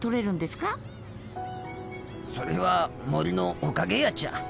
それは森のおかげやちゃ。